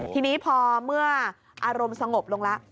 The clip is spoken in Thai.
ทีนี้พอเมื่ออารมณ์สงบลงแล้ว